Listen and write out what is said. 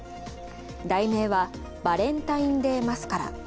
題名は「バレンタインデー・マスカラ」。